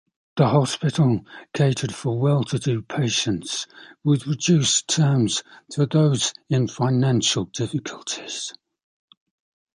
The hospital catered for well-to-do patients, with reduced terms for those in financial difficulties.